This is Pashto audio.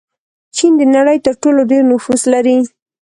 چین د نړۍ تر ټولو ډېر نفوس لري.